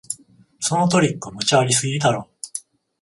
そのトリック、無茶ありすぎだろ